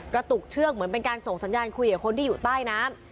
กระตุกเชือกเหมือนเป็นการส่งสัญญาณคุยกับคนที่อยู่ใต้น้ำ